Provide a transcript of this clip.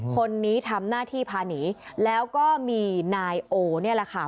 คนนี้ทำหน้าที่พาหนีแล้วก็มีนายโอนี่แหละค่ะ